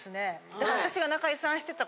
だから。